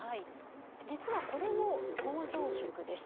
実はこれも構造色です。